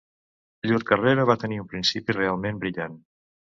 Llur carrera va tenir un principi realment brillant.